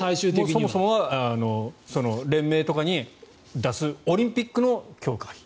そもそもは連盟とかに出すオリンピックの強化費。